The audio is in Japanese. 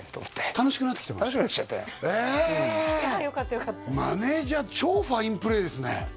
楽しくなってきちゃってへえよかったよかったマネージャー超ファインプレーですね